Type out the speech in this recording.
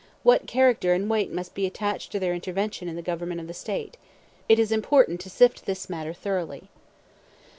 What character and weight must be attached to their intervention in the government of the State? It is important to sift this matter thoroughly.